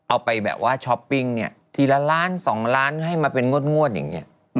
เอาไปแบบว่าช้อปปิ้งเนี่ยทีละล้าน๒ล้านให้มาเป็นงวดอย่างนี้